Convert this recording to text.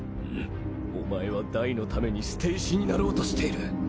お前はダイのために捨て石になろうとしている。